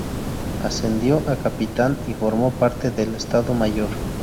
Ascendió a capitán y formó parte del Estado Mayor.